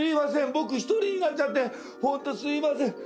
僕一人になっちゃってホントすいません。